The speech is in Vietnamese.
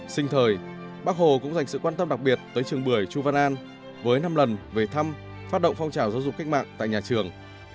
sinh thời bác hồ cũng dành sự quan tâm đặc biệt tới trường bưởi chu văn an với năm lần về thăm phát động phong trào giáo dục cách mạng tại nhà trường